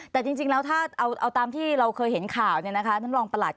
แต่จริงแล้วถ้าเอาตามที่เราเคยเห็นข่าวท่านรองประหลัด